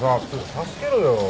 助けろよ。